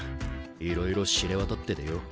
いろいろ知れ渡っててよ